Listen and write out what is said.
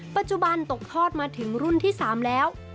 ปัจจุบันตกทอดมาถึงรุ่นที่๓แล้ว